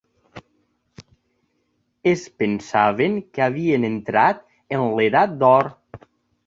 Es pensaven que havien entrat en l'edat d'or.